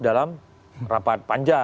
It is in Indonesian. dalam rapat panja